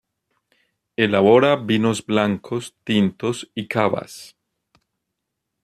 Elabora vinos blancos, tintos y cavas.